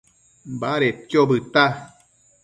Badedquio bëdta